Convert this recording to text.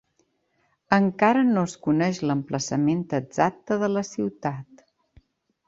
Encara no es coneix l'emplaçament exacte de la ciutat.